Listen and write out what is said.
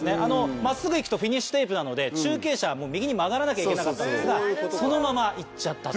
真っすぐ行くとフィニッシュテープなので中継車は右に曲がらなきゃいけなかったんですがそのまま行っちゃったと。